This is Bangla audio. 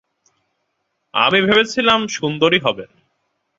আমি ভেবছিলাম সুন্দরী হবেন।